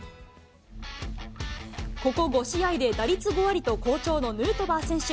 ここ５試合で打率５割と好調のヌートバー選手。